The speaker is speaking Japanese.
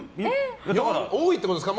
多いってことですか？